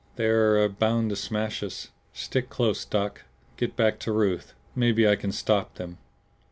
They're bound to smash us. Stick close, Doc. Get back to Ruth. Maybe I can stop them!"